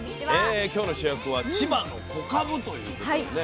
今日の主役は千葉の「小かぶ」ということでね